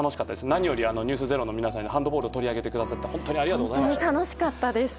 何より「ｎｅｗｓｚｅｒｏ」の皆さんがハンドボールを取り上げてくださって本当にありがとうございます。